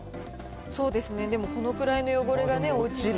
そうですね、でもこのぐらいの汚れが落ちる。